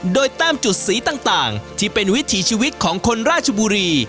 โดยแต้มจุดสีต่างที่เป็นวิถีชีวิตของคนราชบุรี